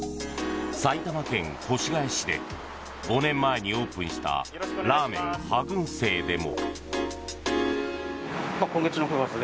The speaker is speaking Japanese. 埼玉県越谷市で５年前にオープンしたらーめん破ぐん星でも。